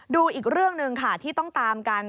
ดูอีกเรื่องหนึ่งค่ะที่ต้องตามกัน